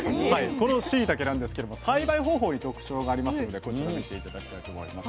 このしいたけなんですけれども栽培方法に特徴がありますのでこちら見て頂きたいと思います。